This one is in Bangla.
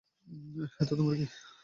এতে তোমার কি?